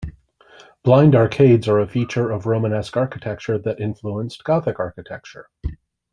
Blind arcades are a feature of Romanesque architecture that influenced Gothic architecture.